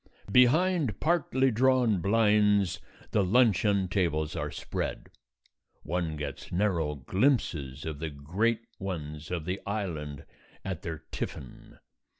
Behind partly drawn blinds the luncheon tables are spread; one gets narrow glimpses of the great ones of the Island at their tiffin.